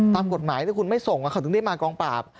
ตามกฎหมายถ้าคุณไม่ส่งเขาถึงได้มากองปราบ